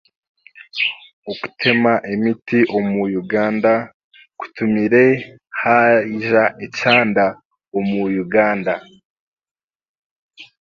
Okutema emiti omu Uganda kutumire haija ekyanda omu Uganda